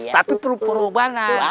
tapi perlu pengorbanan